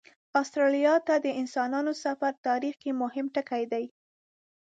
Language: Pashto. استرالیا ته د انسانانو سفر تاریخ کې مهم ټکی دی.